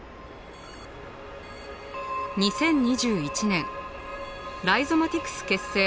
２０２１年ライゾマティクス結成